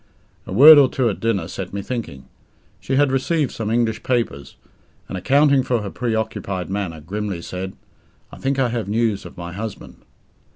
A word or two at dinner set me thinking. She had received some English papers, and, accounting for her pre occupied manner, grimly said, "I think I have news of my husband."